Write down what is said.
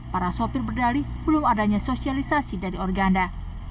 para supir berdalih belum adanya sosialisasi dari organda